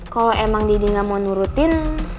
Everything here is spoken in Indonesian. kalo emang daddy ga mau nurutin